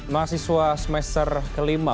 mahasiswa semester kelima